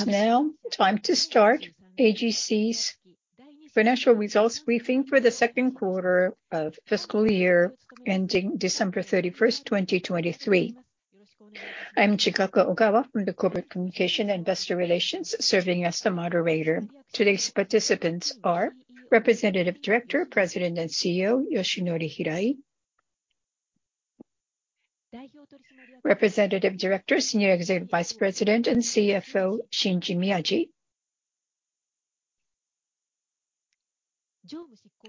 It's now time to start AGC's financial results briefing for the Q2 of fiscal year ending December 31, 2023. I'm Chikako Ogawa from the Corporate Communications & Investor Relations, serving as the moderator. Today's participants are Representative Director, President and CEO, Yoshinori Hirai, Representative Director, Senior Executive Vice President and CFO, Shinji Miyaji,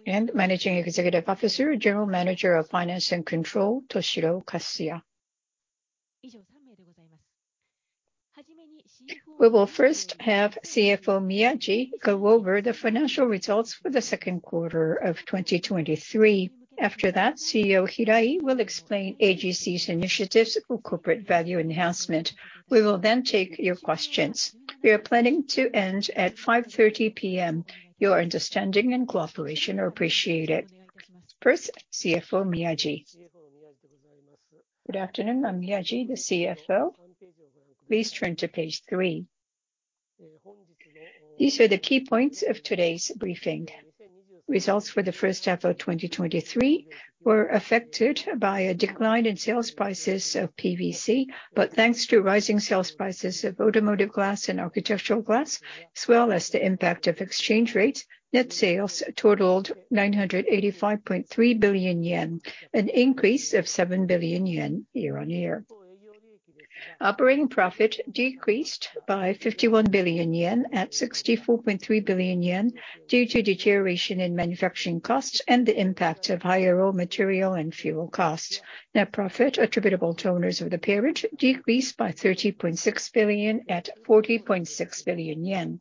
and Managing Executive Officer, General Manager of Finance and Control, Toshiro Kasuya. We will first have CFO Miyaji go over the financial results for the Q2 of 2023. After that, CEO Hirai will explain AGC's initiatives for corporate value enhancement. We will take your questions. We are planning to end at 5:30 P.M. Your understanding and cooperation are appreciated. First, CFO Miyaji. Good afternoon, I'm Miyaji, the CFO. Please turn to page 3. These are the key points of today's briefing. Results for the first half of 2023 were affected by a decline in sales prices of PVC, but thanks to rising sales prices of automotive glass and architectural glass, as well as the impact of exchange rates, net sales totaled 985.3 billion yen, an increase of 7 billion yen year-on-year. Operating profit decreased by 51 billion yen at 64.3 billion yen due to deterioration in manufacturing costs and the impact of higher raw material and fuel costs. Net profit attributable to owners of the parent decreased by 30.6 billion at 40.6 billion yen.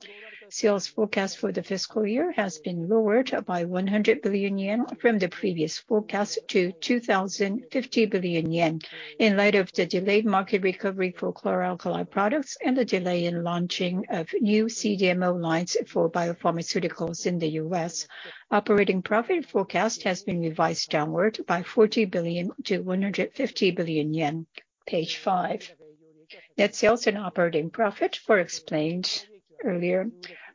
Sales forecast for the fiscal year has been lowered by 100 billion yen from the previous forecast to 2,050 billion yen. In light of the delayed market recovery for chlor-alkali products and the delay in launching of new CDMO lines for biopharmaceuticals in the U.S., operating profit forecast has been revised downward by 40 billion to 150 billion yen. Page 5. Net sales and operating profit for explained earlier.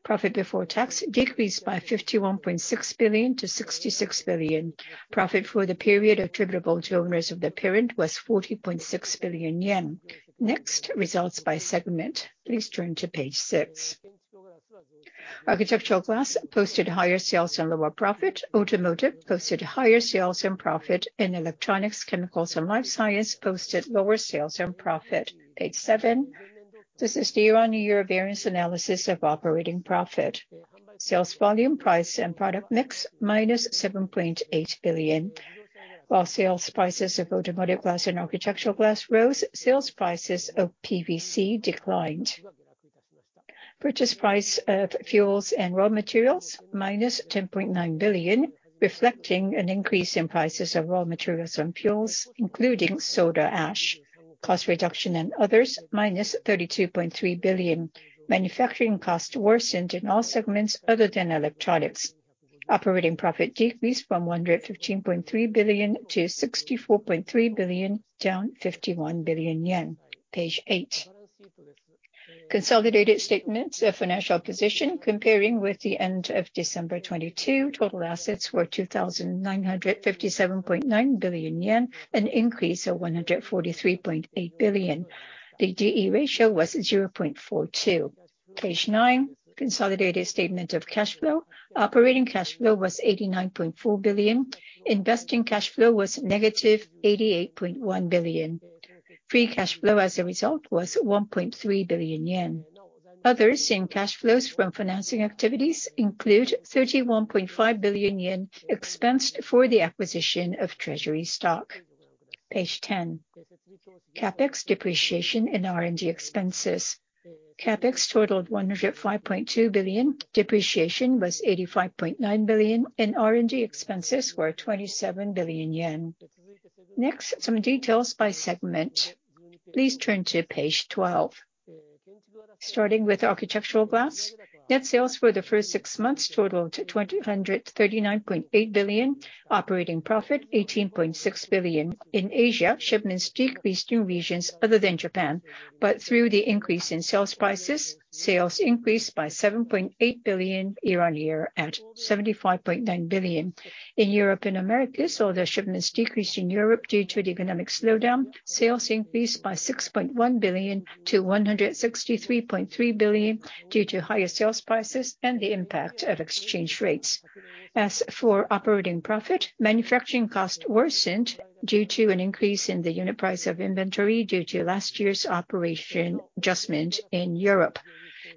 Profit before tax decreased by 51.6 billion to 66 billion. Profit for the period attributable to owners of the parent was 40.6 billion yen. Results by segment. Please turn to page 6. Architectural glass posted higher sales and lower profit. Automotive posted higher sales and profit. In electronics, Chemicals and Life Science posted lower sales and profit. Page 7. This is the year-on-year variance analysis of operating profit. Sales volume, price, and product mix, minus 7.8 billion. While sales prices of automotive glass and architectural glass rose, sales prices of PVC declined. Purchase price of fuels and raw materials, -10.9 billion, reflecting an increase in prices of raw materials and fuels, including soda ash. Cost reduction and others, -32.3 billion. Manufacturing costs worsened in all segments other than electronics. Operating profit decreased from 115.3 billion to 64.3 billion, down 51 billion yen. Page 8. Consolidated statements of financial position. Comparing with the end of December 2022, total assets were 2,957.9 billion yen, an increase of 143.8 billion. The D/E ratio was 0.42. Page 9, Consolidated statement of cash flow. Operating cash flow was 89.4 billion. Investing cash flow was -88.1 billion. Free cash flow as a result was 1.3 billion yen. Others in cash flows from financing activities include 31.5 billion yen expensed for the acquisition of treasury stock. Page 10, CapEx, depreciation, and R&D expenses. CapEx totaled 105.2 billion, depreciation was 85.9 billion, and R&D expenses were 27 billion yen. Some details by segment. Please turn to page 12. Starting with architectural glass, net sales for the first six months totaled 239.8 billion, operating profit 18.6 billion. In Asia, shipments decreased in regions other than Japan, through the increase in sales prices, sales increased by 7.8 billion year-on-year at 75.9 billion. In Europe and Americas, although shipments decreased in Europe due to the economic slowdown, sales increased by 6.1 billion to 163.3 billion due to higher sales prices and the impact of exchange rates. As for operating profit, manufacturing costs worsened due to an increase in the unit price of inventory due to last year's operation adjustment in Europe.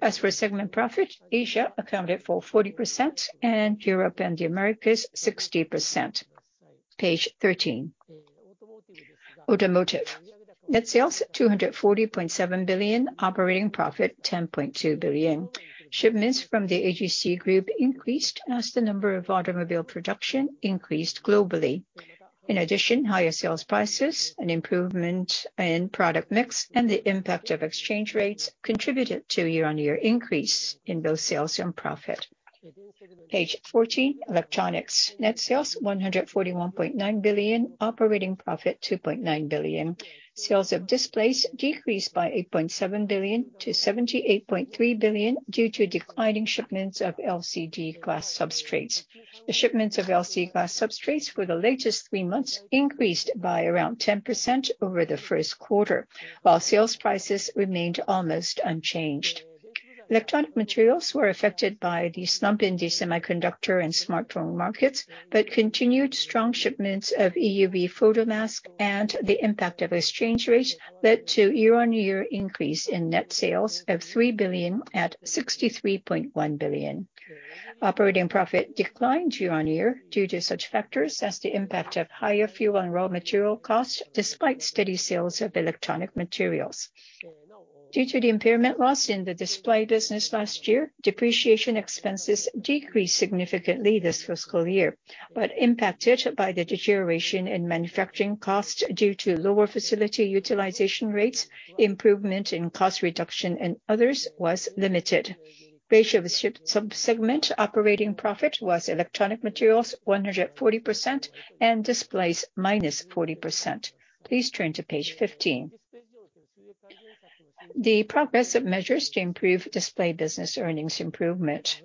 As for segment profit, Asia accounted for 40%, and Europe and the Americas, 60%. Page 13. Automotive. Net sales, 240.7 billion, operating profit, 10.2 billion. Shipments from the AGC group increased as the number of automobile production increased globally. In addition, higher sales prices, an improvement in product mix, and the impact of exchange rates contributed to a year-on-year increase in both sales and profit. Page 14, Electronics. Net sales, 141.9 billion, operating profit, 2.9 billion. Sales of displays decreased by 8.7 billion to 78.3 billion, due to declining shipments of LCD glass substrates. The shipments of LCD glass substrates for the latest 3 months increased by around 10% over the Q1, while sales prices remained almost unchanged. Electronic materials were affected by the slump in the semiconductor and smartphone markets, continued strong shipments of EUV photomask and the impact of exchange rate led to year-on-year increase in net sales of 3 billion at 63.1 billion. Operating profit declined year-on-year due to such factors as the impact of higher fuel and raw material costs, despite steady sales of electronic materials. Due to the impairment loss in the display business last year, depreciation expenses decreased significantly this fiscal year. Impacted by the deterioration in manufacturing costs due to lower facility utilization rates, improvement in cost reduction and others was limited. Ratio of ship sub-segment operating profit was electronic materials 140%, and displays -40%. Please turn to page 15. The progress of measures to improve display business earnings improvement.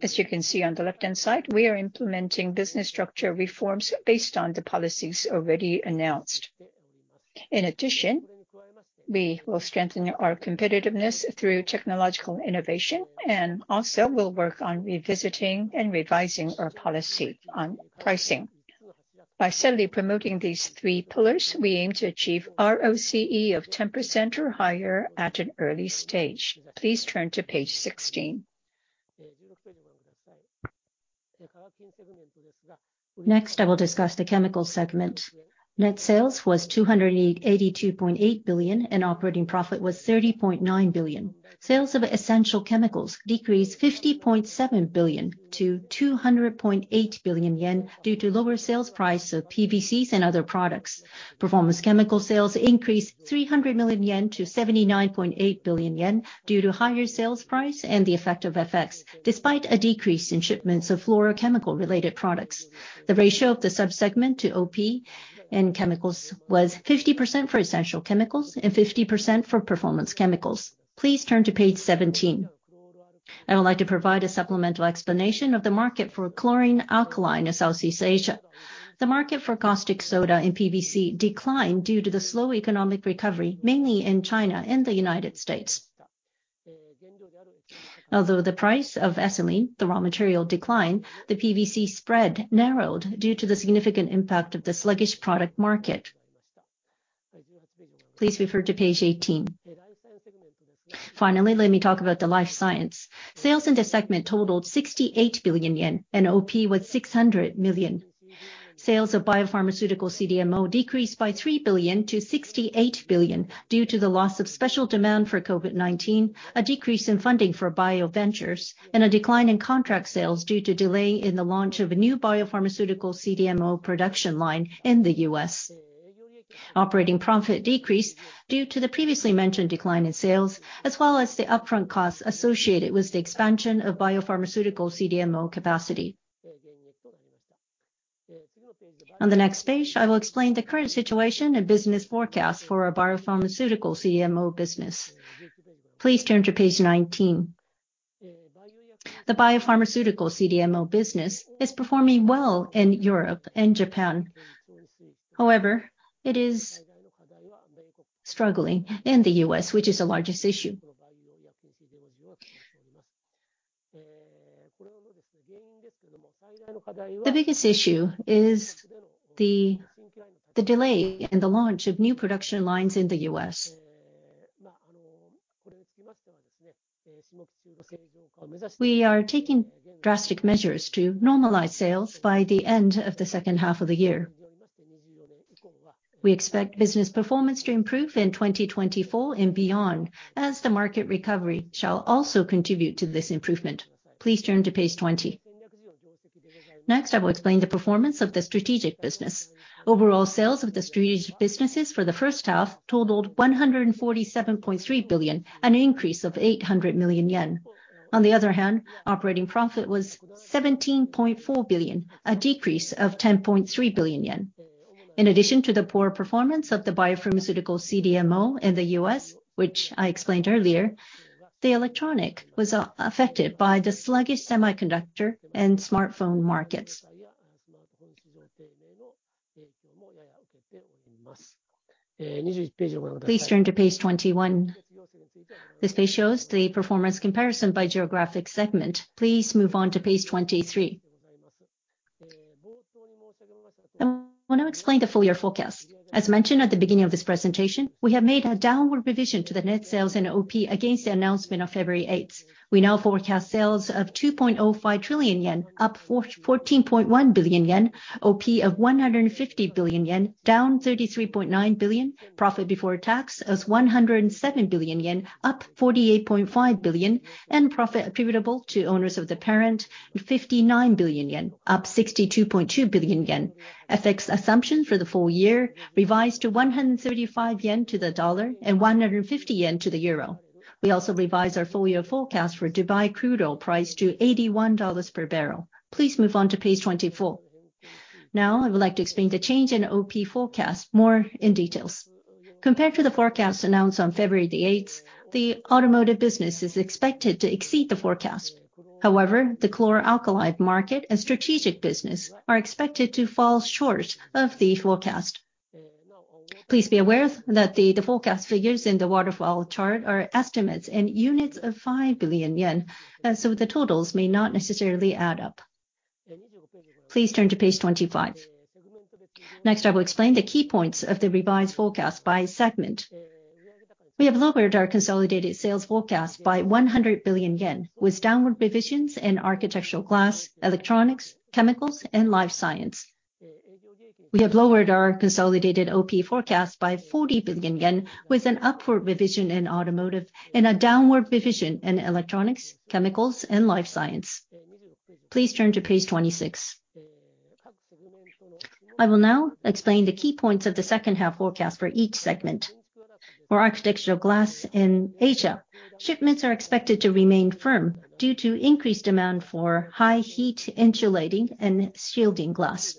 As you can see on the left-hand side, we are implementing business structure reforms based on the policies already announced. In addition, we will strengthen our competitiveness through technological innovation, and also we'll work on revisiting and revising our policy on pricing. By steadily promoting these three pillars, we aim to achieve ROCE of 10% or higher at an early stage. Please turn to page 16. Next, I will discuss the chemical segment. Net sales was 282.8 billion, and operating profit was 30.9 billion. Sales of essential chemicals decreased 50.7 billion to 200.8 billion yen, due to lower sales price of PVCs and other products. Performance chemical sales increased 300 million yen to 79.8 billion yen, due to higher sales price and the effect of FX, despite a decrease in shipments of fluorochemical related products. The ratio of the sub-segment to OP in chemicals was 50% for essential chemicals and 50% for performance chemicals. Please turn to page 17. I would like to provide a supplemental explanation of the market for chlor-alkali in Southeast Asia. The market for caustic soda and PVC declined due to the slow economic recovery, mainly in China and the United States. Although the price of ethylene, the raw material, declined, the PVC spread narrowed due to the significant impact of the sluggish product market. Please refer to page 18. Let me talk about the Life Science. Sales in this segment totaled 68 billion yen, and OP was 600 million. Sales of biopharmaceutical CDMO decreased by 3 billion to 68 billion, due to the loss of special demand for COVID-19, a decrease in funding for bioventures, and a decline in contract sales due to delay in the launch of a new biopharmaceutical CDMO production line in the US. Operating profit decreased due to the previously mentioned decline in sales, as well as the upfront costs associated with the expansion of biopharmaceutical CDMO capacity. On the next page, I will explain the current situation and business forecast for our biopharmaceutical CDMO business. Please turn to page 19. The biopharmaceutical CDMO business is performing well in Europe and Japan. It is struggling in the US, which is the largest issue. The biggest issue is the, the delay in the launch of new production lines in the U.S. We are taking drastic measures to normalize sales by the end of the second half of the year. We expect business performance to improve in 2024 and beyond, as the market recovery shall also contribute to this improvement. Please turn to page 20. Next, I will explain the performance of the strategic business. Overall sales of the strategic businesses for the first half totaled 147.3 billion, an increase of 800 million yen. On the other hand, operating profit was 17.4 billion, a decrease of 10.3 billion yen. In addition to the poor performance of the biopharmaceutical CDMO in the U.S., which I explained earlier, the electronic was affected by the sluggish semiconductor and smartphone markets. Please turn to page 21. This page shows the performance comparison by geographic segment. Please move on to page 23. I want to explain the full year forecast. As mentioned at the beginning of this presentation, we have made a downward revision to the net sales and OP against the announcement of February 8th. We now forecast sales of 2.05 trillion yen, up 14.1 billion yen, OP of 150 billion yen, down 33.9 billion. Profit before tax is 107 billion yen, up 48.5 billion, and profit attributable to owners of the parent, 59 billion yen, up 62.2 billion yen. FX assumption for the full year, revised to 135 yen to the dollar and 150 yen to the euro. We also revised our full year forecast for Dubai crude oil price to $81 per barrel. Please move on to page 24. I would like to explain the change in OP forecast more in details. Compared to the forecast announced on February 8th, the automotive business is expected to exceed the forecast. The chlor-alkali market and strategic business are expected to fall short of the forecast. Please be aware that the forecast figures in the waterfall chart are estimates in units of 5 billion yen, the totals may not necessarily add up. Please turn to page 25. I will explain the key points of the revised forecast by segment. We have lowered our consolidated sales forecast by 100 billion yen, with downward provisions in architectural glass, electronics, chemicals, and life science. We have lowered our consolidated OP forecast by 40 billion yen, with an upward revision in automotive and a downward revision in electronics, chemicals, and life science. Please turn to page 26. I will now explain the key points of the second half forecast for each segment. For architectural glass in Asia, shipments are expected to remain firm due to increased demand for high heat insulating and shielding glass.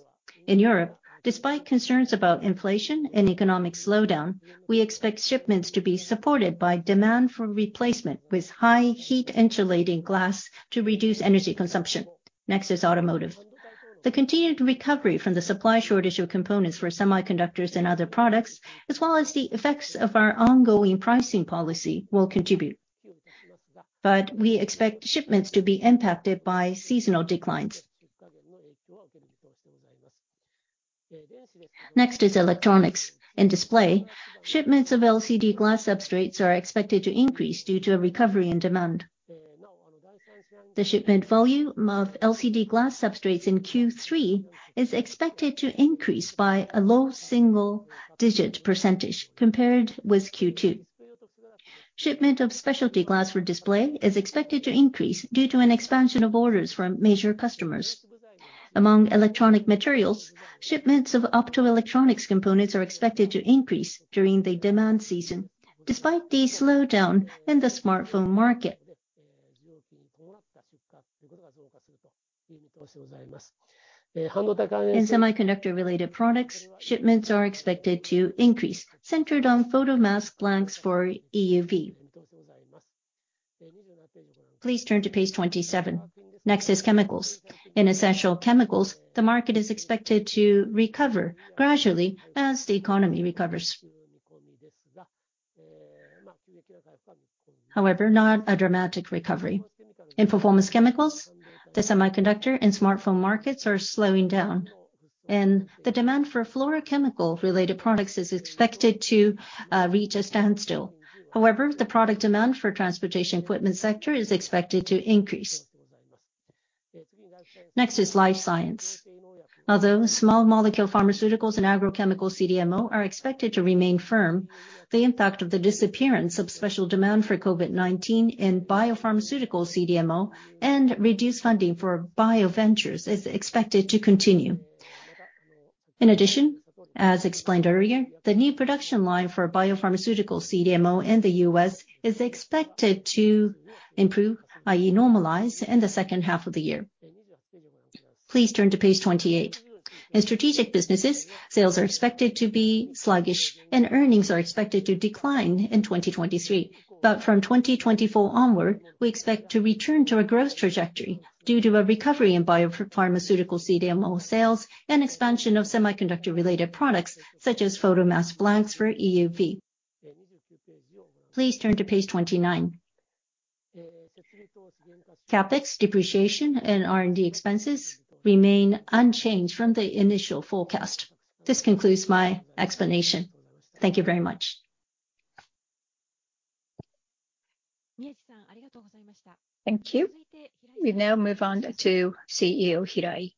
In Europe, despite concerns about inflation and economic slowdown, we expect shipments to be supported by demand for replacement with high heat insulating glass to reduce energy consumption. Next is automotive. The continued recovery from the supply shortage of components for semiconductors and other products, as well as the effects of our ongoing pricing policy, will contribute. We expect shipments to be impacted by seasonal declines. Next is electronics and display. Shipments of LCD glass substrates are expected to increase due to a recovery in demand. The shipment volume of LCD glass substrates in Q3 is expected to increase by a low single-digit % compared with Q2. Shipment of specialty glass for display is expected to increase due to an expansion of orders from major customers. Among electronic materials, shipments of optoelectronics components are expected to increase during the demand season, despite the slowdown in the smartphone market. In semiconductor-related products, shipments are expected to increase, centered on photomask blanks for EUV. Please turn to page 27. Next is chemicals. In essential chemicals, the market is expected to recover gradually as the economy recovers. Not a dramatic recovery. In performance chemicals, the semiconductor and smartphone markets are slowing down, and the demand for fluorochemical-related products is expected to reach a standstill. However, the product demand for transportation equipment sector is expected to increase. Next is life science. Although small molecule pharmaceuticals and agrochemical CDMO are expected to remain firm, the impact of the disappearance of special demand for COVID-19 in biopharmaceutical CDMO and reduced funding for bioventures is expected to continue. In addition, as explained earlier, the new production line for biopharmaceutical CDMO in the US is expected to improve, i.e., normalize, in the second half of the year. Please turn to page 28. From 2024 onward, we expect to return to a growth trajectory due to a recovery in biopharmaceutical CDMO sales and expansion of semiconductor-related products, such as photomask blanks for EUV. Please turn to page 29. CapEx, depreciation, and R&D expenses remain unchanged from the initial forecast. This concludes my explanation. Thank you very much. Thank you. We now move on to CEO Hirai.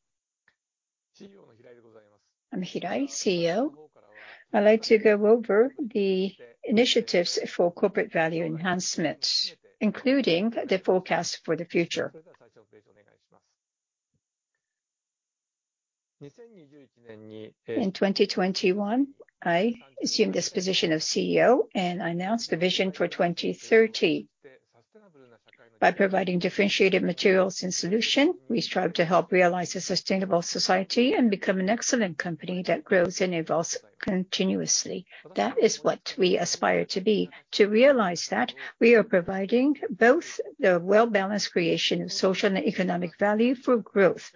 I'm Hirai, CEO. I'd like to go over the initiatives for corporate value enhancement, including the forecast for the future. In 2021, I assumed this position of CEO, and I announced the vision for 2030. By providing differentiated materials and solution, we strive to help realize a sustainable society and become an excellent company that grows and evolves continuously. That is what we aspire to be. To realize that, we are providing both the well-balanced creation of social and economic value for growth,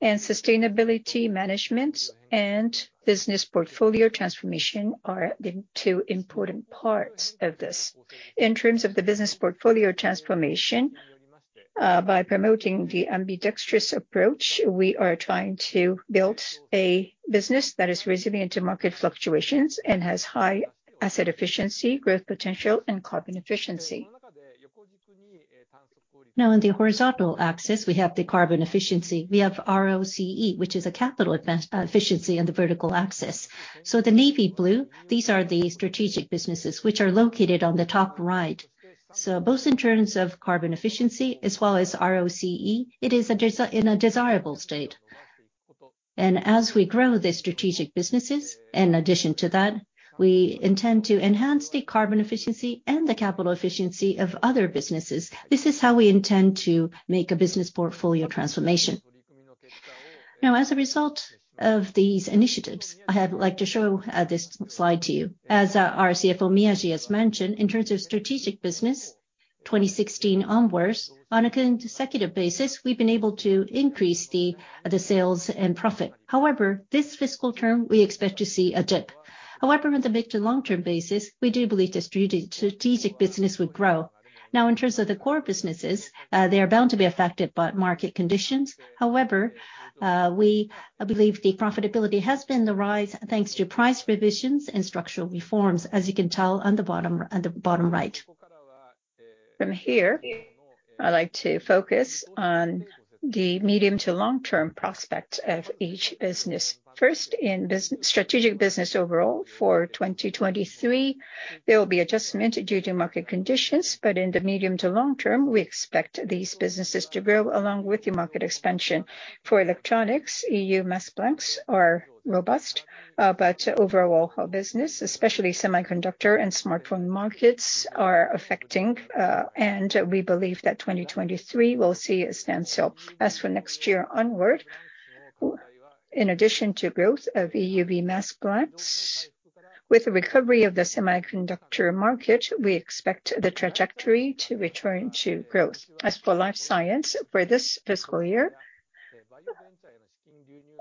and sustainability management and business portfolio transformation are the two important parts of this. In terms of the business portfolio transformation, by promoting the ambidextrous approach, we are trying to build a business that is resilient to market fluctuations and has high asset efficiency, growth potential, and carbon efficiency. In the horizontal axis, we have the carbon efficiency. We have ROCE, which is a capital advance, efficiency in the vertical axis. The navy blue, these are the strategic businesses which are located on the top right. Both in terms of carbon efficiency as well as ROCE, it is in a desirable state. As we grow the strategic businesses, in addition to that, we intend to enhance the carbon efficiency and the capital efficiency of other businesses. This is how we intend to make a business portfolio transformation. Now, as a result of these initiatives, I have like to show this slide to you. As our CFO, Miyaji, has mentioned, in terms of strategic business, 2016 onwards, on a consecutive basis, we've been able to increase the sales and profit. However, this fiscal term, we expect to see a dip. However, on the mid- to long-term basis, we do believe the strategic business will grow. Now, in terms of the core businesses, they are bound to be affected by market conditions. However, we believe the profitability has been on the rise, thanks to price revisions and structural reforms, as you can tell on the bottom, on the bottom right. From here, I'd like to focus on the medium to long-term prospects of each business. First, in strategic business overall for 2023, there will be adjustment due to market conditions, but in the medium to long term, we expect these businesses to grow along with the market expansion. For electronics, EUV mask blanks are robust, but overall, our business, especially semiconductor and smartphone markets, are affecting, and we believe that 2023 will see a standstill. As for next year onward, in addition to growth of EUV mask blanks, with the recovery of the semiconductor market, we expect the trajectory to return to growth. As for life science, for this fiscal year,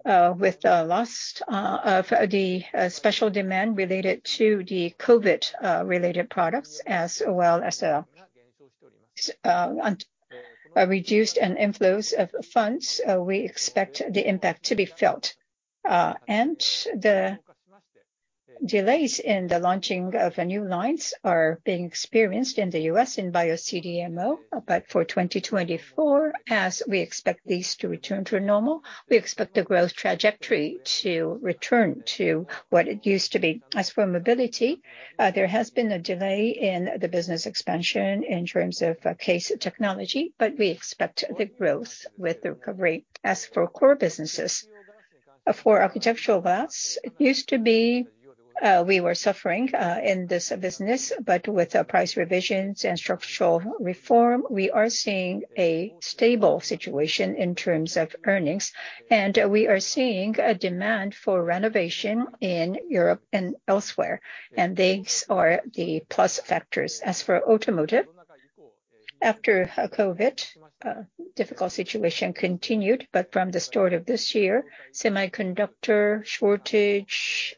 with the loss of the special demand related to the COVID-19 related products, as well as on a reduced in inflows of funds, we expect the impact to be felt. The delays in the launching of our new lines are being experienced in the U.S. in Bio CDMO. For 2024, as we expect these to return to normal, we expect the growth trajectory to return to what it used to be. As for mobility, there has been a delay in the business expansion in terms of CASE technology, but we expect the growth with the recovery. As for core businesses, for architectural glass, it used to be, we were suffering in this business, but with the price revisions and structural reform, we are seeing a stable situation in terms of earnings, and we are seeing a demand for renovation in Europe and elsewhere, and these are the plus factors. As for automotive, after COVID, difficult situation continued, but from the start of this year, semiconductor shortage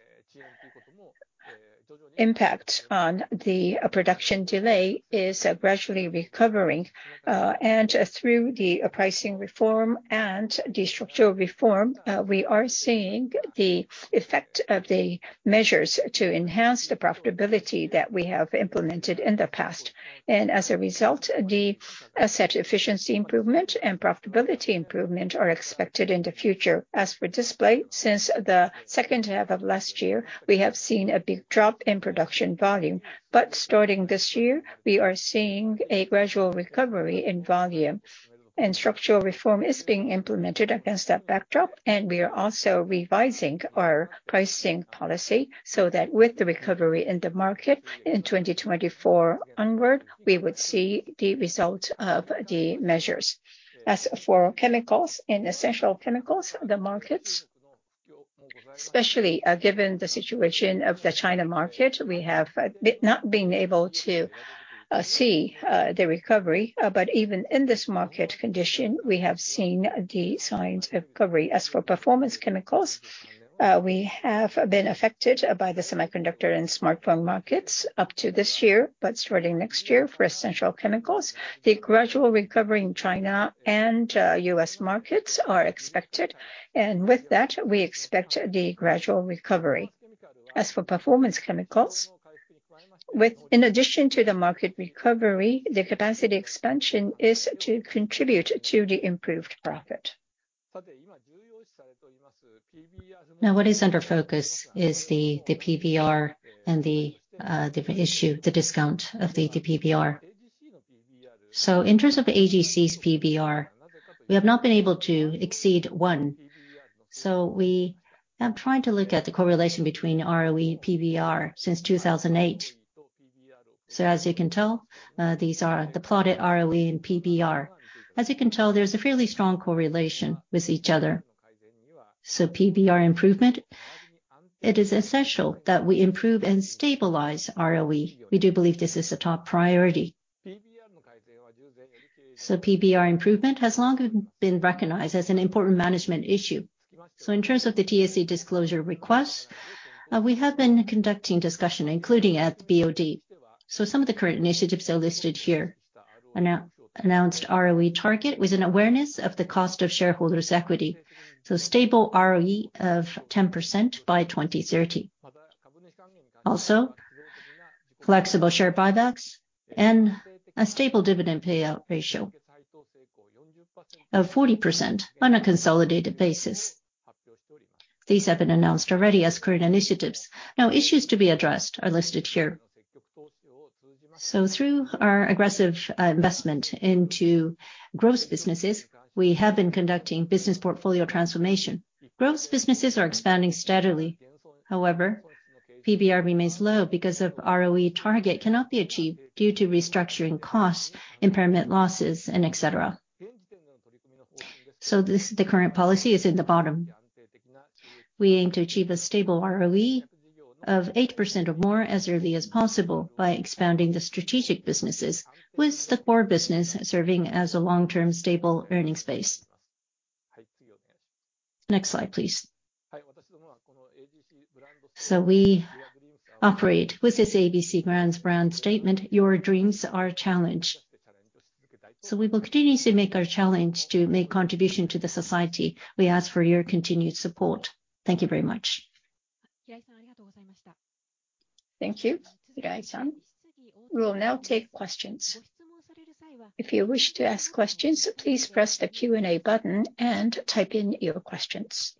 impact on the production delay is gradually recovering. Through the pricing reform and the structural reform, we are seeing the effect of the measures to enhance the profitability that we have implemented in the past. As a result, the asset efficiency improvement and profitability improvement are expected in the future. As for display, since the second half of last year, we have seen a big drop in production volume, but starting this year, we are seeing a gradual recovery in volume. Structural reform is being implemented against that backdrop. We are also revising our pricing policy so that with the recovery in the market in 2024 onward, we would see the result of the measures. As for chemicals, in essential chemicals, the markets, especially, given the situation of the China market, we have not been able to see the recovery. Even in this market condition, we have seen the signs of recovery. As for performance chemicals, we have been affected by the semiconductor and smartphone markets up to this year, but starting next year, for essential chemicals, the gradual recovery in China and US markets are expected, and with that, we expect the gradual recovery. As for performance chemicals, in addition to the market recovery, the capacity expansion is to contribute to the improved profit. Now, what is under focus is the, the PBR and the issue, the discount of the, the PBR. In terms of AGC's PBR, we have not been able to exceed one, so we are trying to look at the correlation between ROE and PBR since 2008. As you can tell, these are the plotted ROE and PBR. As you can tell, there's a fairly strong correlation with each other. PBR improvement, it is essential that we improve and stabilize ROE. We do believe this is a top priority. PBR improvement has long been recognized as an important management issue. In terms of the TSE disclosure request, we have been conducting discussion, including at the BOD. Some of the current initiatives are listed here. Announced ROE target with an awareness of the cost of shareholders' equity, so stable ROE of 10% by 2030. Also, flexible share buybacks and a stable dividend payout ratio of 40% on a consolidated basis. These have been announced already as current initiatives. Issues to be addressed are listed here. Through our aggressive investment into growth businesses, we have been conducting business portfolio transformation. Growth businesses are expanding steadily. However, PBR remains low because of ROE target cannot be achieved due to restructuring costs, impairment losses, and etc. This, the current policy is in the bottom. We aim to achieve a stable ROE of 8% or more as early as possible by expanding the strategic businesses, with the core business serving as a long-term stable earnings base. Next slide, please. We operate with this AGC brands, brand statement: "Your Dreams, Our Challenge." We will continue to make our challenge to make contribution to the society. We ask for your continued support. Thank you very much. Thank you, Hirai-san. We will now take questions. If you wish to ask questions, please press the Q&A button and type in your questions.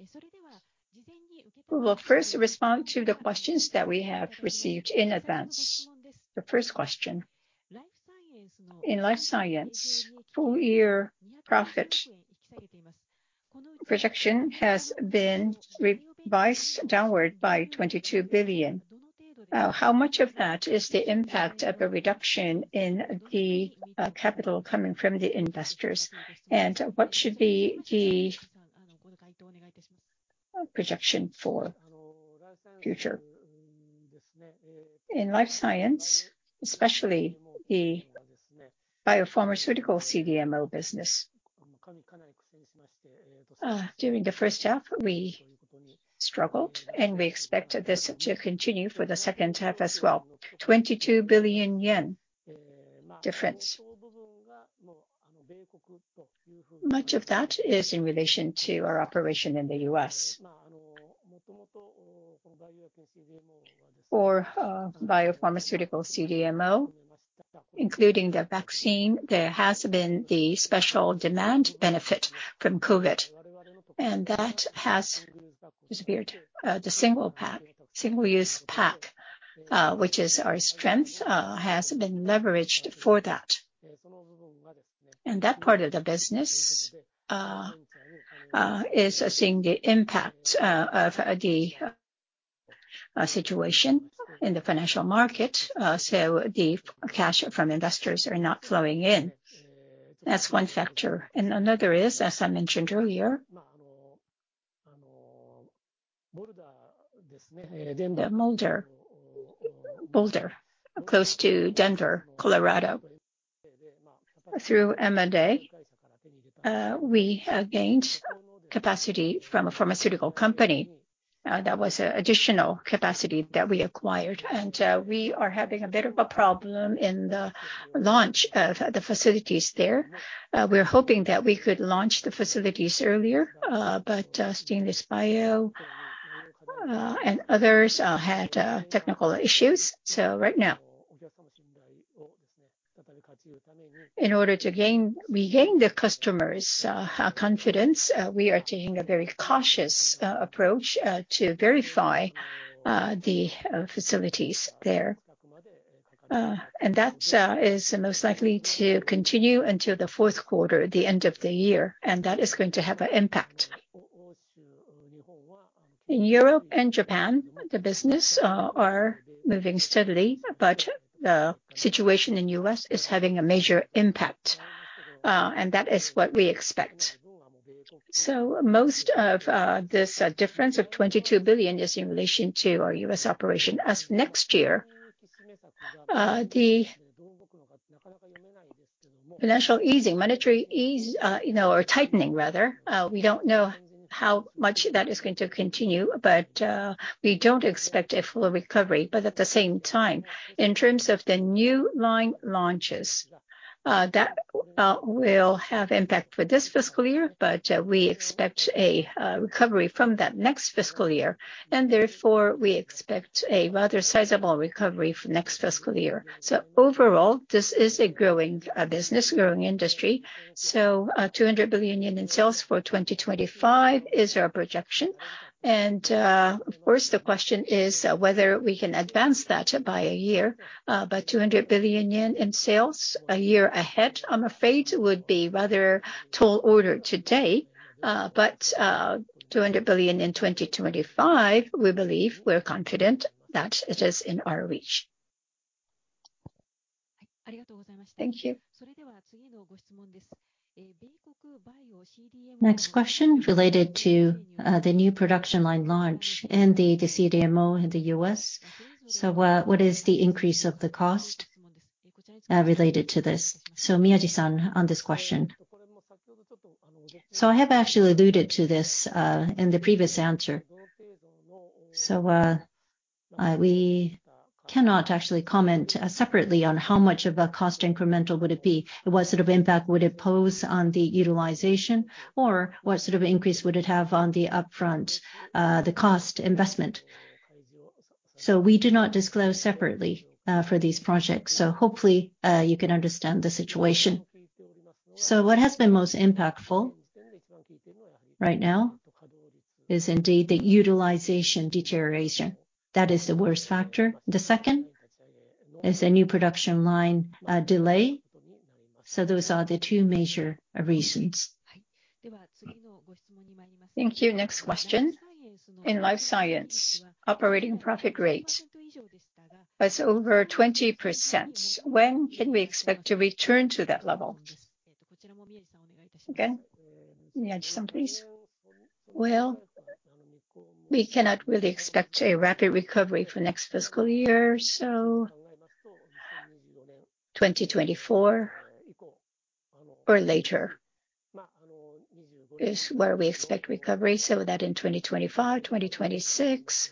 We will first respond to the questions that we have received in advance. The first question: In life science, full year profit projection has been revised downward by 22 billion. How much of that is the impact of a reduction in the capital coming from the investors, and what should be the projection for future? In life science, especially the biopharmaceutical CDMO business, during the first half, we struggled, and we expect this to continue for the second half as well. 22 billion yen difference. Much of that is in relation to our operation in the US. For biopharmaceutical CDMO, including the vaccine, there has been the special demand benefit from COVID, and that has disappeared. The single pack, single-use pack, which is our strength, has been leveraged for that. That part of the business is seeing the impact of the situation in the financial market, so the cash from investors are not flowing in. That's one factor. Another is, as I mentioned earlier, the Boulder, Boulder, close to Denver, Colorado. Through M&A, we have gained capacity from a pharmaceutical company. That was additional capacity that we acquired, and we are having a bit of a problem in the launch of the facilities there. We're hoping that we could launch the facilities earlier, but Stainless Bio and others had technical issues. Right now, in order to gain, regain the customers' confidence, we are taking a very cautious approach to verify the facilities there. That is most likely to continue until the fourth quarter, the end of the year, and that is going to have an impact. In Europe and Japan, the business are moving steadily, but the situation in U.S. is having a major impact, that is what we expect. Most of this difference of 22 billion is in relation to our U.S. operation. Next year, the financial easing, monetary ease, you know, or tightening rather, we don't know how much that is going to continue, but we don't expect a full recovery. At the same time, in terms of the new line launches, that will have impact for this fiscal year, but we expect a recovery from that next fiscal year, we expect a rather sizable recovery for next fiscal year. Overall, this is a growing business, growing industry, so 200 billion yen in sales for 2025 is our projection. Of course, the question is whether we can advance that by a year. 200 billion yen in sales a year ahead, I'm afraid, would be rather tall order today. 200 billion in 2025, we believe, we're confident that it is in our reach. Thank you. Next question related to the new production line launch and the CDMO in the US. What is the increase of the cost related to this? Miyaji-san, on this question. I have actually alluded to this in the previous answer. We cannot actually comment separately on how much of a cost incremental would it be, and what sort of impact would it pose on the utilization, or what sort of increase would it have on the upfront cost investment. We do not disclose separately for these projects, so hopefully, you can understand the situation. What has been most impactful right now is indeed the utilization deterioration. That is the worst factor. The second is a new production line delay. Those are the two major reasons. Thank you. Next question. In life science, operating profit rate is over 20%. When can we expect to return to that level? Again, Miyaji-san, please. We cannot really expect a rapid recovery for next fiscal year, so 2024 or later is where we expect recovery, so that in 2025, 2026,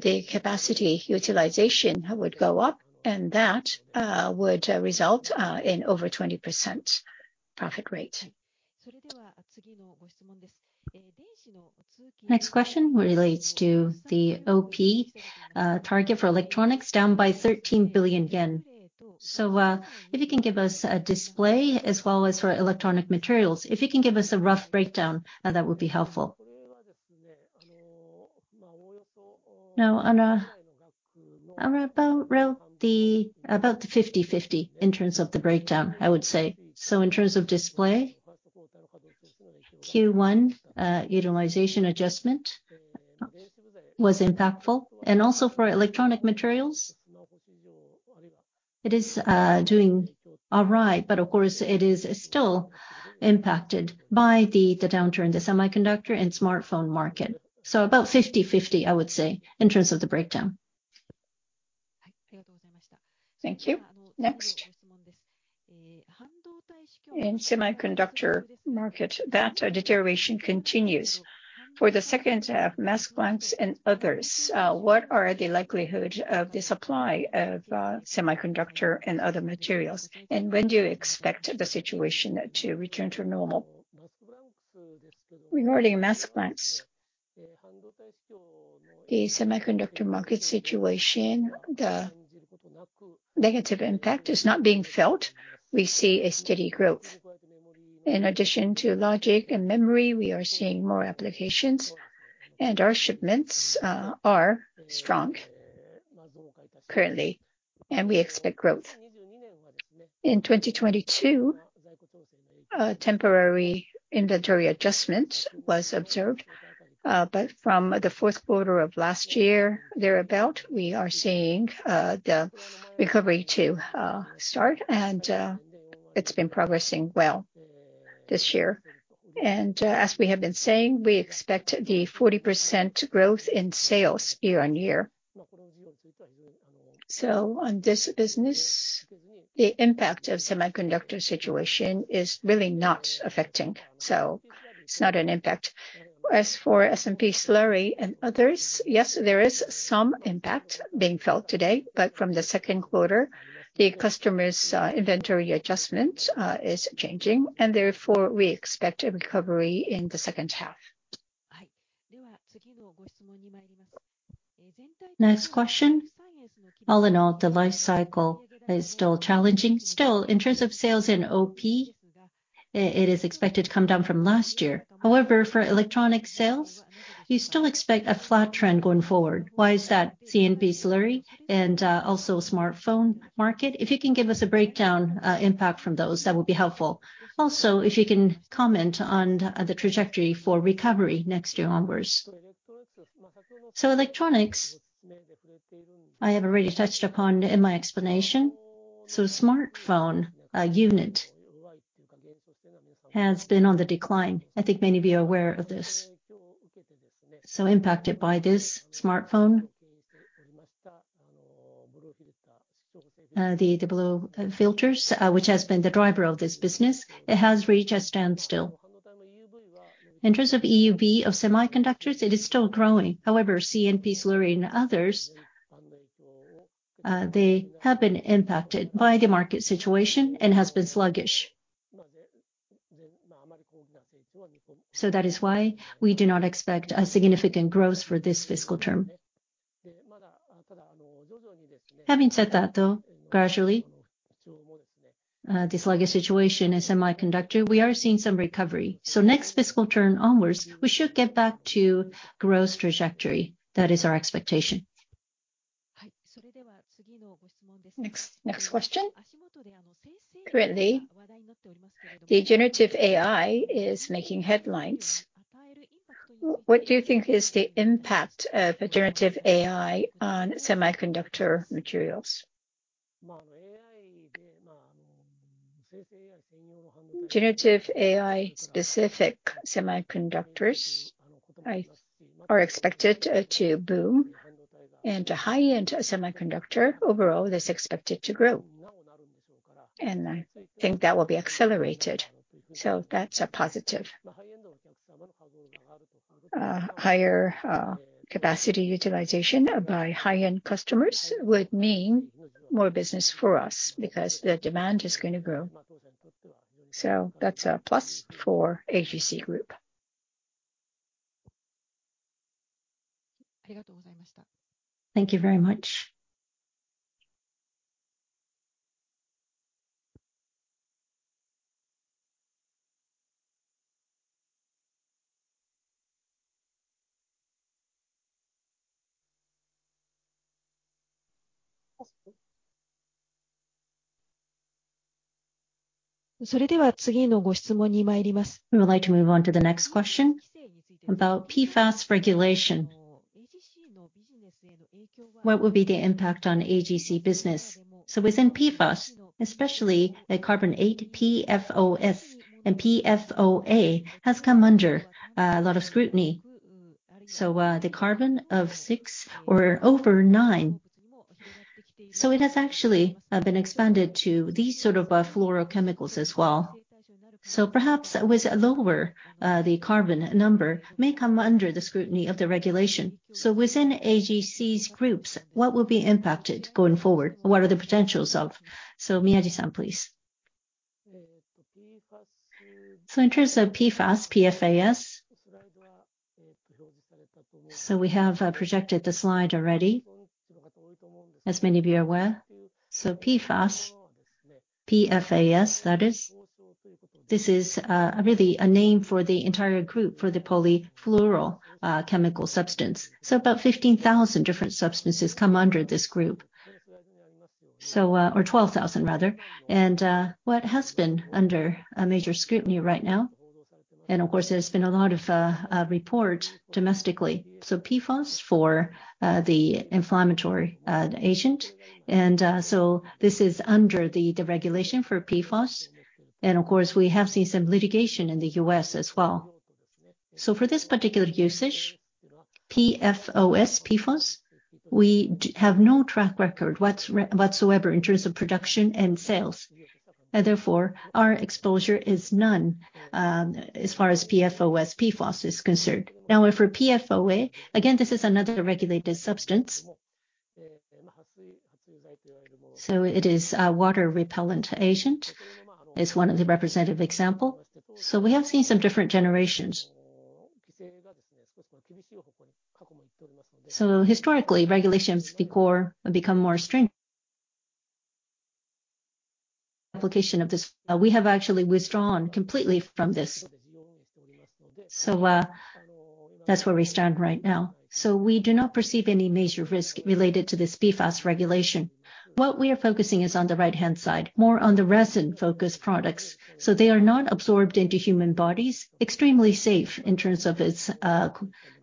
the capacity utilization would go up, and that would result in over 20% profit rate. Next question relates to the OP target for electronics, down by 13 billion yen. If you can give us a display as well as for electronic materials, if you can give us a rough breakdown, that would be helpful. About 50/50 in terms of the breakdown, I would say. In terms of display, Q1 utilization adjustment was impactful, and also for electronic materials, it is doing all right, but of course it is still impacted by the downturn in the semiconductor and smartphone market. About 50/50, I would say, in terms of the breakdown. Thank you. Next. In semiconductor market, that, deterioration continues. For the second half, mask blanks and others, what are the likelihood of the supply of, semiconductor and other materials? When do you expect the situation to return to normal? Regarding mask blanks, the semiconductor market situation, the negative impact is not being felt. We see a steady growth. In addition to logic and memory, we are seeing more applications, and our shipments are strong currently, and we expect growth. In 2022, a temporary inventory adjustment was observed, but from the fourth quarter of last year, thereabout, we are seeing the recovery to start, and it's been progressing well this year. As we have been saying, we expect the 40% growth in sales year-on-year. On this business, the impact of semiconductor situation is really not affecting, so it's not an impact. As for CMP slurry and others, yes, there is some impact being felt today, but from the Q2, the customer's inventory adjustment is changing, and therefore we expect a recovery in the second half. Next question. All in all, the life cycle is still challenging. Still, in terms of sales in OP, it is expected to come down from last year. However, for electronic sales, you still expect a flat trend going forward. Why is that CMP slurry and also smartphone market? If you can give us a breakdown, impact from those, that would be helpful. Also, if you can comment on the trajectory for recovery next year onwards. Electronics, I have already touched upon in my explanation, smartphone unit has been on the decline. I think many of you are aware of this. Impacted by this smartphone, the blue filters, which has been the driver of this business, it has reached a standstill. In terms of EUV of semiconductors, it is still growing. However, CMP slurry and others, they have been impacted by the market situation and has been sluggish. That is why we do not expect a significant growth for this fiscal term. Having said that, though, gradually, this sluggish situation in semiconductor, we are seeing some recovery. Next fiscal term onwards, we should get back to growth trajectory. That is our expectation. Next, next question. Currently, the generative AI is making headlines. What do you think is the impact of generative AI on semiconductor materials? Generative AI-specific semiconductors are expected to boom, a high-end semiconductor overall is expected to grow, I think that will be accelerated, so that's a positive. Higher capacity utilization by high-end customers would mean more business for us because the demand is gonna grow. That's a plus for AGC Group. Thank you very much. We would like to move on to the next question about PFAS regulation. What would be the impact on AGC business? Within PFAS, especially the carbon eight, PFOS and PFOA, has come under a lot of scrutiny. The carbon of six or over nine. It has actually been expanded to these sort of fluorochemicals as well. Perhaps with lower the carbon number may come under the scrutiny of the regulation. Within AGC's groups, what will be impacted going forward? What are the potentials of? Miyaji-san, please. In terms of PFAS, P-F-A-S, we have projected the slide already. As many of you are aware, PFAS, P-F-A-S, that is, this is really a name for the entire group for the polyfluoroalkyl chemical substance. About 15,000 different substances come under this group. Or 12,000, rather. What has been under a major scrutiny right now, and of course, there's been a lot of report domestically. PFOS for the inflammatory agent, and this is under the regulation for PFOS. Of course, we have seen some litigation in the US as well. For this particular usage, PFOS, PFOS, we have no track record whatsoever in terms of production and sales. Therefore, our exposure is none, as far as PFOS, PFAS is concerned. For PFOA, again, this is another regulated substance. It is a water-repellent agent, is one of the representative example. We have seen some different generations. Historically, regulations become more strict. Application of this, we have actually withdrawn completely from this. That's where we stand right now. We do not perceive any major risk related to this PFAS regulation. What we are focusing is on the right-hand side, more on the resin-focused products, so they are not absorbed into human bodies, extremely safe in terms of its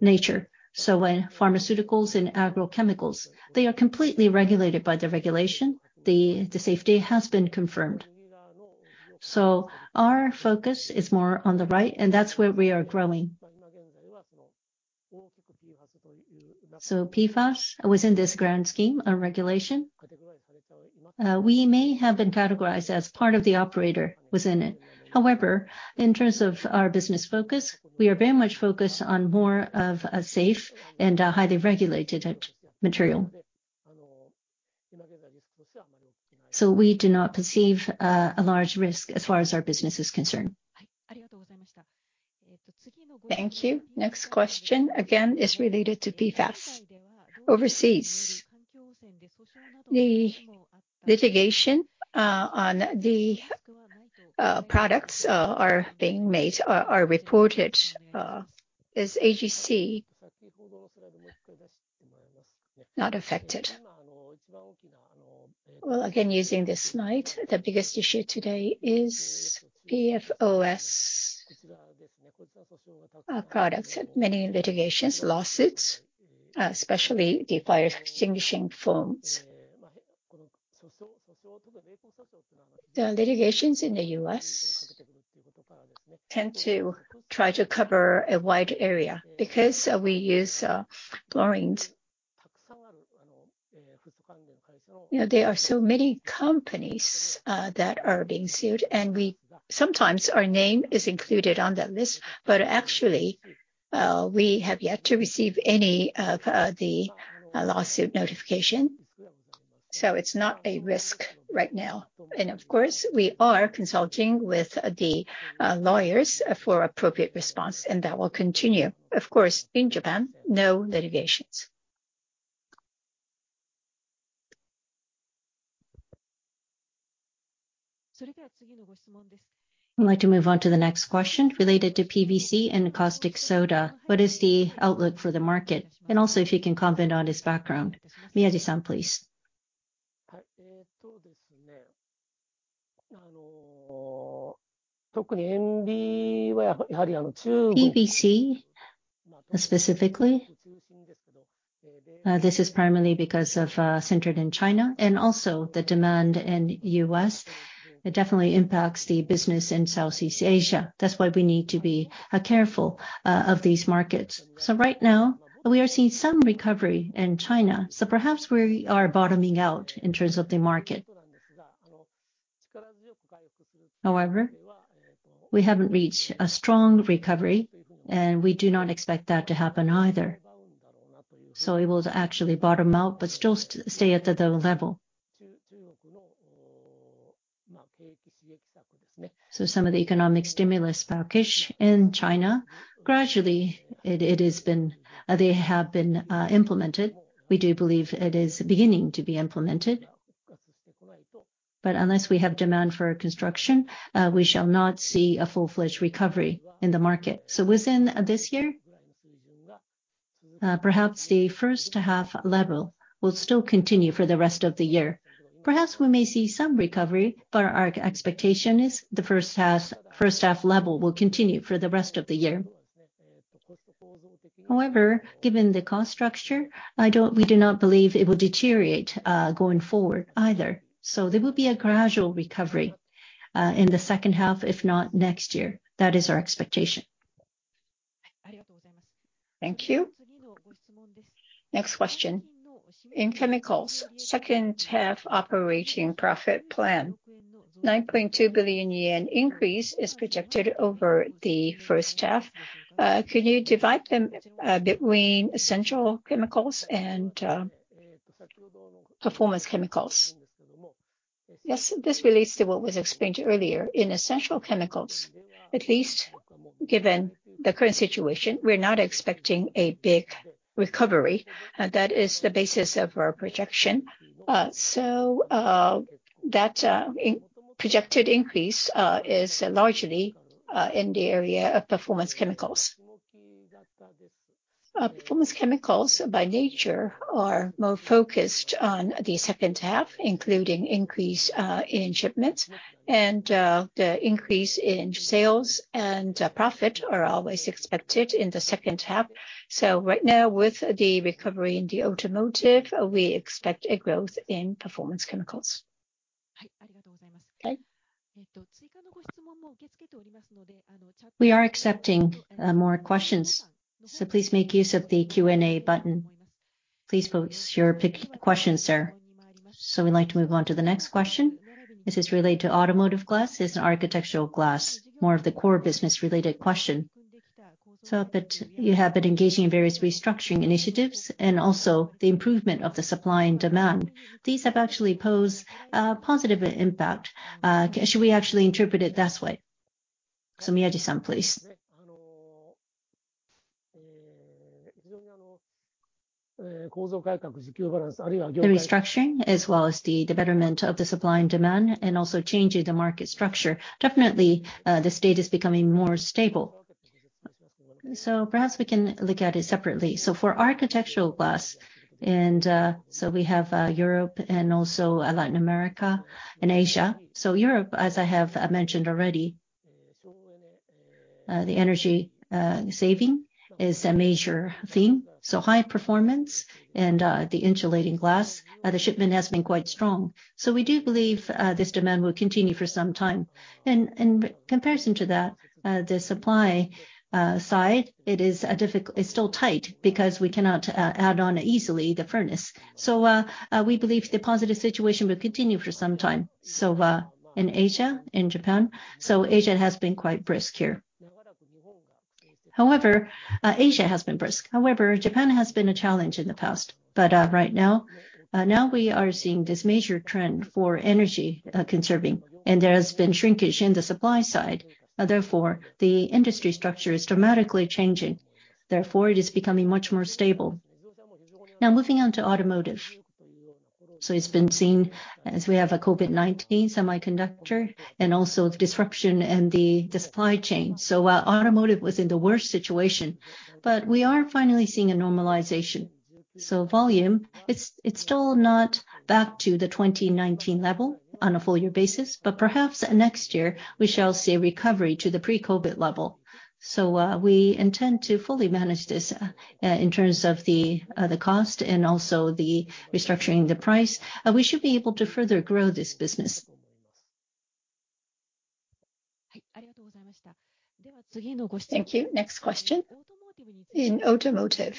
nature. When pharmaceuticals and agrochemicals, they are completely regulated by the regulation, the safety has been confirmed. Our focus is more on the right, and that's where we are growing. PFAS was in this grand scheme of regulation. We may have been categorized as part of the operator within it. However, in terms of our business focus, we are very much focused on more of a safe and highly regulated material. We do not perceive a large risk as far as our business is concerned. Thank you. Next question, again, is related to PFAS. Overseas, the litigation on the products are being made are, are reported. Is AGC not affected? Well, again, using this slide, the biggest issue today is PFOS products. Many litigations, lawsuits, especially the fire extinguishing foams. The litigations in the US tend to try to cover a wide area because we use fluorines. You know, there are so many companies that are being sued, and sometimes our name is included on that list, but actually, we have yet to receive any of the lawsuit notification. It's not a risk right now. Of course, we are consulting with the lawyers for appropriate response, and that will continue. Of course, in Japan, no litigations. We'd like to move on to the next question related to PVC and caustic soda. What is the outlook for the market? Also, if you can comment on its background. Miyaji-san, please. PVC, specifically, this is primarily because of, centered in China and also the demand in US. It definitely impacts the business in Southeast Asia. That's why we need to be careful of these markets. Right now, we are seeing some recovery in China, so perhaps we are bottoming out in terms of the market. However, we haven't reached a strong recovery, and we do not expect that to happen either. It will actually bottom out but still stay at the low level. Some of the economic stimulus package in China, gradually it, it has been, they have been, implemented. We do believe it is beginning to be implemented. Unless we have demand for construction, we shall not see a full-fledged recovery in the market. Within this year, perhaps the first half level will still continue for the rest of the year. Perhaps we may see some recovery, but our, our expectation is the first half, first half level will continue for the rest of the year. However, given the cost structure, we do not believe it will deteriorate going forward either, so there will be a gradual recovery in the second half, if not next year. That is our expectation. Thank you. Next question. In chemicals, second half operating profit plan, 9.2 billion yen increase is projected over the first half. Could you divide them between essential chemicals and performance chemicals? Yes, this relates to what was explained earlier. In essential chemicals, at least given the current situation, we're not expecting a big recovery, and that is the basis of our projection. That projected increase is largely in the area of performance chemicals. Performance chemicals by nature are more focused on the second half, including increase in shipments and the increase in sales and profit are always expected in the second half. Right now, with the recovery in the automotive, we expect a growth in performance chemicals. Okay. We are accepting more questions, so please make use of the Q&A button. Please post your pick, questions there. We'd like to move on to the next question. This is related to automotive glass and architectural glass, more of the core business related question. You have been engaging in various restructuring initiatives and also the improvement of the supply and demand. These have actually posed a positive impact. Should we actually interpret it that way? Miyaji-san, please. The restructuring, as well as the betterment of the supply and demand, and also changing the market structure, definitely, the state is becoming more stable. Perhaps we can look at it separately. For architectural glass, and, we have Europe and also Latin America and Asia. Europe, as I have mentioned already, the energy saving is a major theme, so high performance and the insulating glass, the shipment has been quite strong. We do believe this demand will continue for some time. In comparison to that, the supply side, it is still tight because we cannot add on easily the furnace. We believe the positive situation will continue for some time. In Asia, in Japan, Asia has been quite brisk here. However, Asia has been brisk. However, Japan has been a challenge in the past, but right now, now we are seeing this major trend for energy conserving, and there has been shrinkage in the supply side. Therefore, the industry structure is dramatically changing, therefore, it is becoming much more stable. Now, moving on to automotive. It's been seen as we have a COVID-19 semiconductor and also disruption in the supply chain. While automotive was in the worst situation, but we are finally seeing a normalization. Volume, it's, it's still not back to the 2019 level on a full year basis, but perhaps next year we shall see a recovery to the pre-COVID level. We intend to fully manage this in terms of the, the cost and also the restructuring the price. We should be able to further grow this business. Thank you. Next question. In automotive,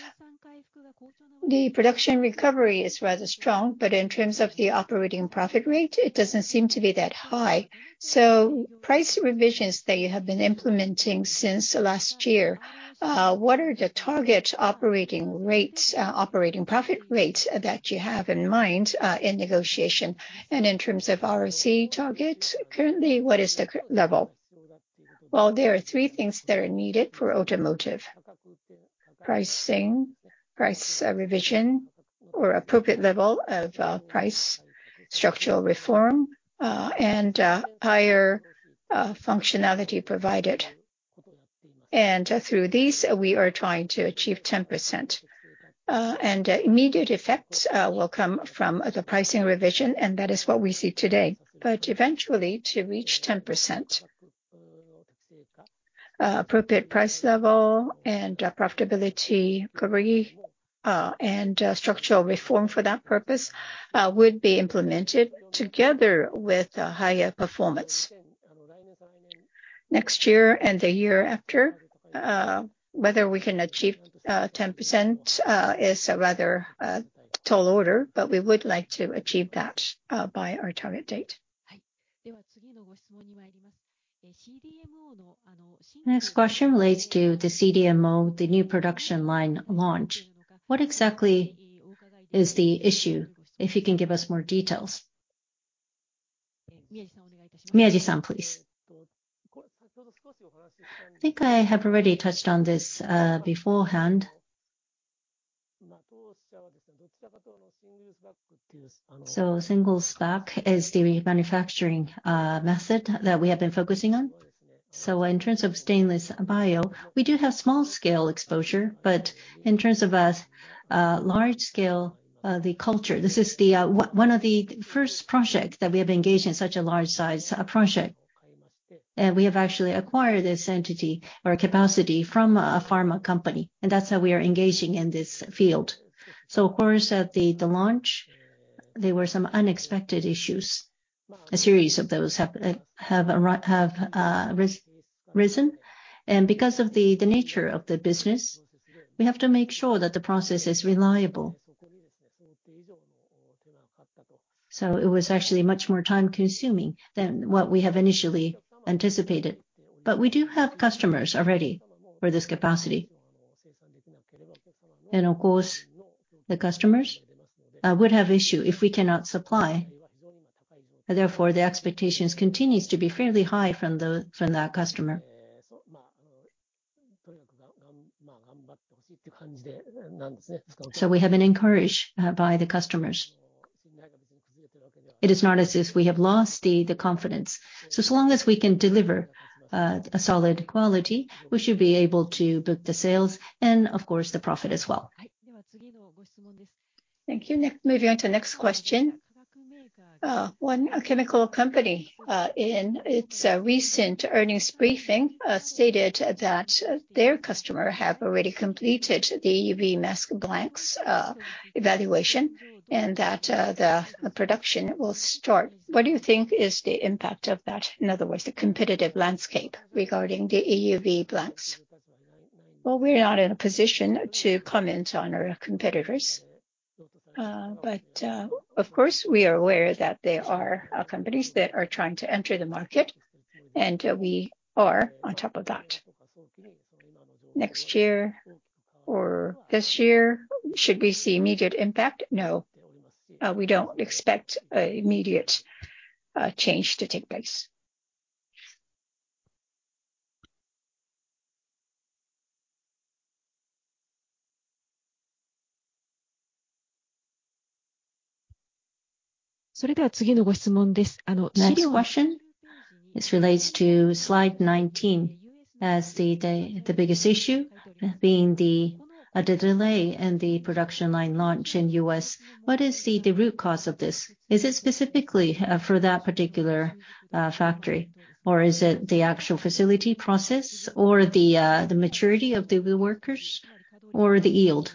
the production recovery is rather strong, in terms of the operating profit rate, it doesn't seem to be that high. Price revisions that you have been implementing since last year, what are the target operating rates, operating profit rates that you have in mind, in negotiation? In terms of ROC target, currently, what is the level? Well, there are 3 things that are needed for automotive: pricing, price, revision or appropriate level of price, structural reform, and higher functionality provided. Through these, we are trying to achieve 10%. Immediate effects will come from the pricing revision, and that is what we see today. Eventually, to reach 10%, appropriate price level and profitability recovery, and structural reform for that purpose, would be implemented together with a higher performance. Next year and the year after, whether we can achieve 10%, is a rather tall order, but we would like to achieve that by our target date. The next question relates to the CDMO, the new production line launch. What exactly is the issue, if you can give us more details? Miyaji-san, please. I think I have already touched on this beforehand. Single use is the manufacturing method that we have been focusing on. In terms of Stainless Bio, we do have small scale exposure, but in terms of a large scale the culture, this is one of the first projects that we have engaged in such a large size project. We have actually acquired this entity or capacity from a pharma company, and that's how we are engaging in this field. Of course, at the launch, there were some unexpected issues. A series of those have arisen. Because of the nature of the business, we have to make sure that the process is reliable. It was actually much more time-consuming than what we have initially anticipated. We do have customers already for this capacity. Of course, the customers would have issue if we cannot supply. The expectations continues to be fairly high from the, from that customer. We have been encouraged by the customers. It is not as if we have lost the, the confidence. As long as we can deliver a solid quality, we should be able to book the sales and of course, the profit as well. Thank you. Nick, moving on to the next question. One chemical company, in its, recent earnings briefing, stated that their customer have already completed the EUV mask blanks, evaluation, and that, the production will start. What do you think is the impact of that, in other words, the competitive landscape regarding the EUV blanks? Well, we're not in a position to comment on our competitors. Of course, we are aware that there are companies that are trying to enter the market, and we are on top of that. Next year or this year, should we see immediate impact? No, we don't expect a immediate change to take place. Next question. This relates to slide 19 as the biggest issue being the delay in the production line launch in U.S. What is the root cause of this? Is it specifically for that particular factory, or is it the actual facility process, or the maturity of the workers, or the yield?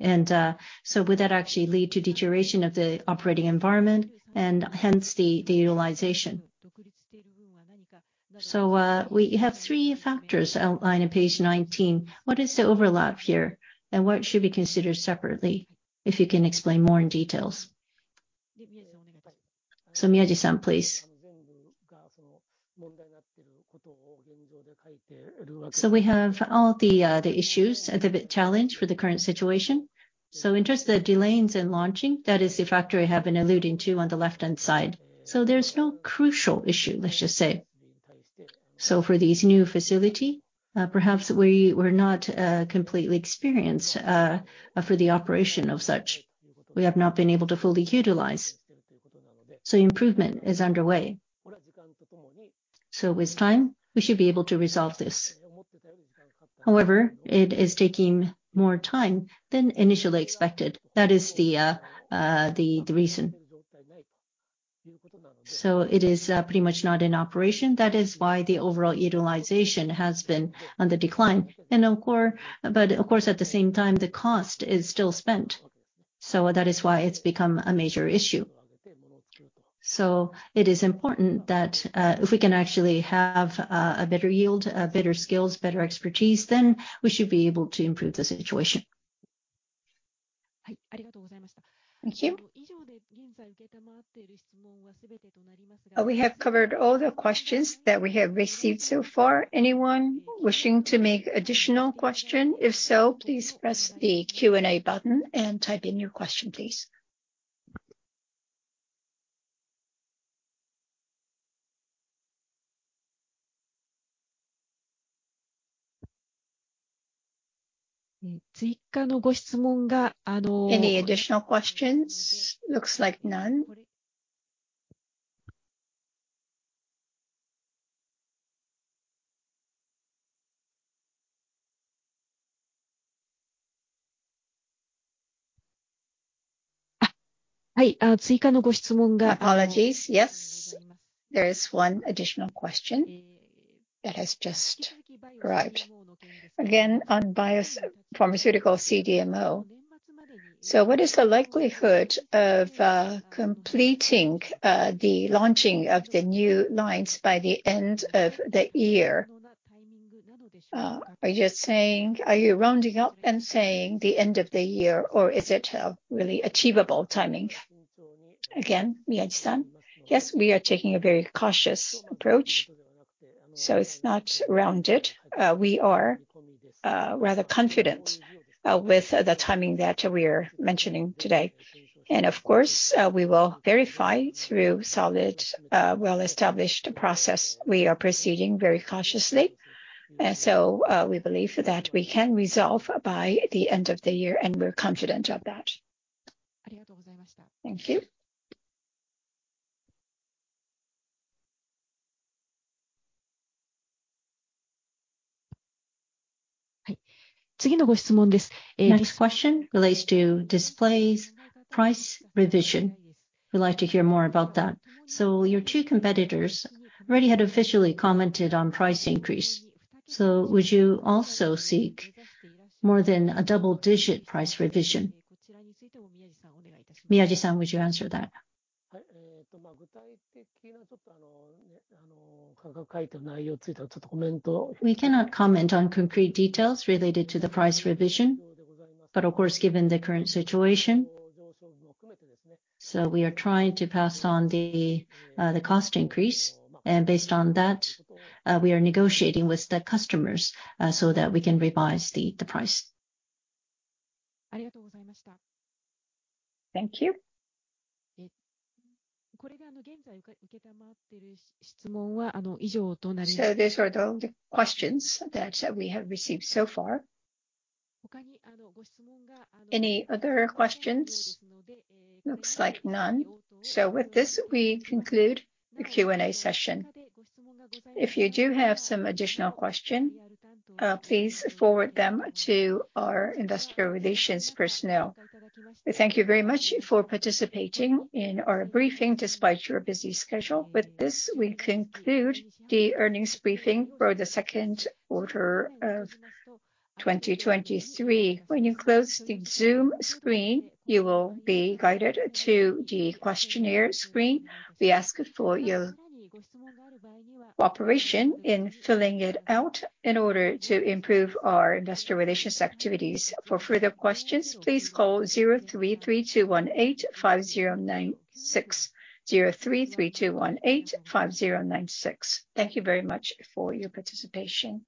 Would that actually lead to deterioration of the operating environment and hence, the utilization? We have 3 factors outlined on page 19. What is the overlap here, and what should be considered separately, if you can explain more in details. Miyaji-san, please. We have all the issues and the challenge for the current situation. In terms of the delays in launching, that is the factor I have been alluding to on the left-hand side. There's no crucial issue, let's just say. For this new facility, perhaps we were not completely experienced for the operation of such. We have not been able to fully utilize, so improvement is underway. With time, we should be able to resolve this. However, it is taking more time than initially expected. That is the reason. It is pretty much not in operation. That is why the overall utilization has been on the decline. At the same time, the cost is still spent, so that is why it's become a major issue. It is important that, if we can actually have a better yield, better skills, better expertise, then we should be able to improve the situation. Thank you. We have covered all the questions that we have received so far. Anyone wishing to make additional question? If so, please press the Q&A button and type in your question, please. Any additional questions? Looks like none. Apologies. Yes, there is 1 additional question that has just arrived. Again, on bios, pharmaceutical CDMO. What is the likelihood of completing the launching of the new lines by the end of the year? Are you saying, are you rounding up and saying the end of the year, or is it a really achievable timing? Again, Miyaji-san. Yes, we are taking a very cautious approach, so it's not rounded.... rather confident with the timing that we are mentioning today. Of course, we will verify through solid, well-established process. We are proceeding very cautiously, so, we believe that we can resolve by the end of the year, and we're confident of that. Thank you. Next question relates to displays price revision. We'd like to hear more about that. Your 2 competitors already had officially commented on price increase, so would you also seek more than a double-digit price revision? Miyaji-san, would you answer that? We cannot comment on concrete details related to the price revision, but of course, given the current situation, we are trying to pass on the, the cost increase. Based on that, we are negotiating with the customers, so that we can revise the, the price. Thank you. Those are the only questions that we have received so far. Any other questions? Looks like none. With this, we conclude the Q&A session. If you do have some additional question, please forward them to our investorl relations personnel. Thank you very much for participating in our briefing despite your busy schedule. With this, we conclude the earnings briefing for the Q2 of 2023. When you close the Zoom screen, you will be guided to the questionnaire screen. We ask for your cooperation in filling it out in order to improve our investor relations activities. For further questions, please call 03-3218-5096. 03-3218-5096. Thank you very much for your participation.